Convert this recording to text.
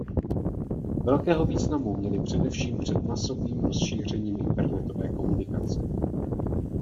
Velkého významu měly především před masovým rozšířením internetové komunikace.